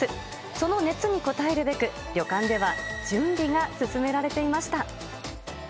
その熱に応えるべく、旅館では準備が進められていました。